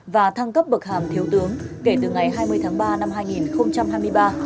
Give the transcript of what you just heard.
và thăng cấp bậc hàm thiếu tướng kể từ ngày hai mươi tháng ba năm hai nghìn hai mươi ba